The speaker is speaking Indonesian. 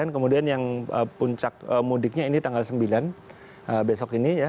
kemudian yang puncak mudiknya ini tanggal sembilan besok ini ya